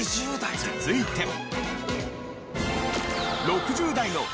続いては。